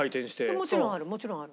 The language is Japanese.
もちろんある。